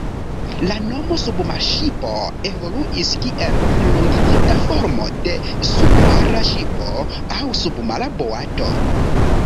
La nomo "submarŝipo" evoluis kiel mallongigita formo de "submara ŝipo" aŭ "submara boato".